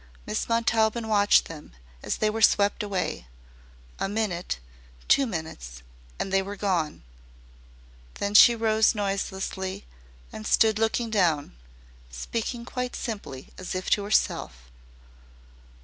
Miss Montaubyn watched them as they were swept away! A minute two minutes and they were gone. Then she rose noiselessly and stood looking down, speaking quite simply as if to herself.